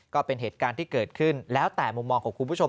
ก็เป็นเหตุการณ์ที่เกิดขึ้นแล้วแต่มุมมองของคุณผู้ชม